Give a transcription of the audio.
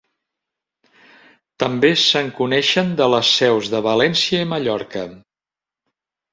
També se'n coneixen de les seus de València i Mallorca.